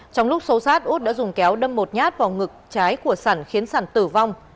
trong lúc xấu xát út đã dùng kéo đâm một nhát vào ngực trái của sẵn khiến sẵn tử vong